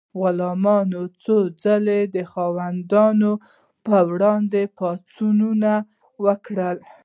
غلامانو څو ځلې د خاوندانو پر وړاندې پاڅونونه وکړل.